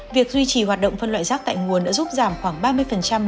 việc duy trì hoạt động phân loại rác tài nguồn đã giúp giảm khoảng ba mươi lượng rác chôi lấp